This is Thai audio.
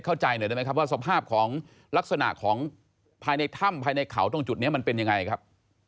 เข้าใจหน่อยได้ไหมครับว่าสภาพของลักษณะของภายในถ้ำภายในเขาตรงจุดนี้มันเป็นยังไงครับ